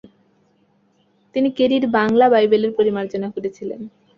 তিনি কেরির বাংলা বাইবেলের পরিমার্জনা করেছিলেন ।